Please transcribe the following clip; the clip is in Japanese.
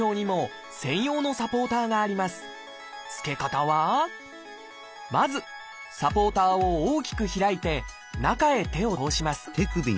つけ方はまずサポーターを大きく開いて中へ手を通します。